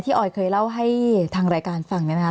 พี่เรื่องมันยังไงอะไรยังไง